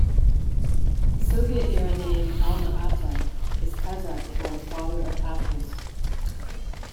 The Soviet-era name, Alma-Ata, is Kazakh for "Father of Apples".